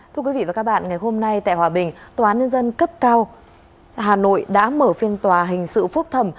thưa quý vị và các bạn ngày hôm nay tại hòa bình tòa án nhân dân cấp cao hà nội đã mở phiên tòa hình sự phúc thẩm